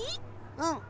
うん！